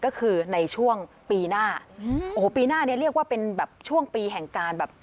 ก็คือในช่วงปีหน้าอืมโอ้โหปีหน้าเนี้ยเรียกว่าเป็นแบบช่วงปีแห่งการแบบ